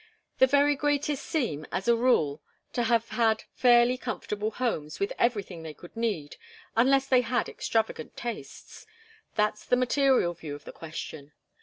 The very greatest seem, as a rule, to have had fairly comfortable homes with everything they could need, unless they had extravagant tastes. That's the material view of the question.